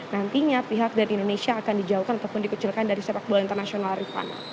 nantinya pihak dari indonesia akan dijauhkan ataupun dikucilkan dari sepak bola internasional rifana